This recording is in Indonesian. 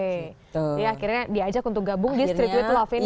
jadi akhirnya diajak untuk gabung di street with love ini